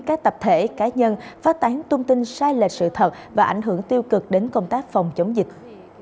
các tập thể cá nhân phát tán thông tin sai lệch sự thật và ảnh hưởng tiêu cực đến công tác phòng chống dịch